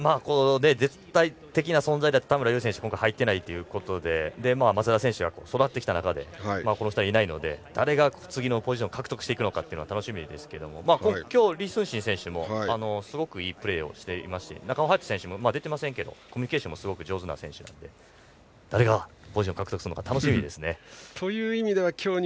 絶対的な存在だった田村優選手が今回入っていないということで松田選手が育ってきた中でこの２人がいないので誰が次のポジションを獲得するのかが楽しみですが今日、李承信選手もすごくいいプレーをしていますし中尾選手も出ていませんがコミュニケーションをしっかりやっているので誰がポジションを獲得するか楽しみですね。